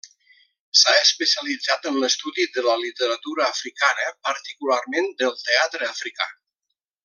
S'ha especialitzat en l'estudi de la literatura africana, particularment del teatre africà.